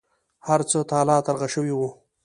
هر څه تالا ترغه شوي وو.